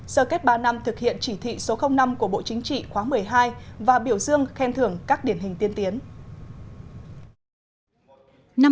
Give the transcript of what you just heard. sơ kết ba năm thực hiện chỉ thị số năm của bộ chính trị khóa một mươi hai và biểu dương khen thưởng các điển hình tiên tiến